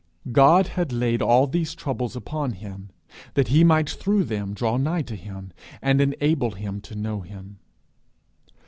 He had laid all these troubles upon him that He might through them draw nigh to him, and enable him to know him.